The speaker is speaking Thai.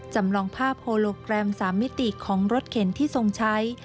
จำลองภาพโฮโลแกรม๓มิติของรถเข็นที่ทรงใช้